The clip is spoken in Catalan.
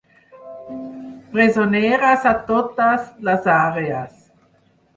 Presoneres a totes les àrees.